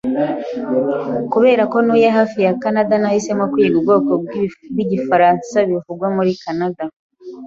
Kubera ko ntuye hafi ya Kanada, nahisemo kwiga ubwoko bwigifaransa kivugwa muri Kanada.